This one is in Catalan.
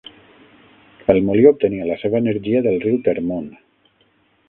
El molí obtenia la seva energia del riu Termon.